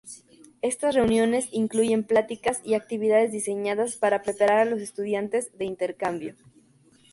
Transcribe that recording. Estas reuniones incluyen pláticas y actividades diseñadas para preparar a los estudiantes de intercambio.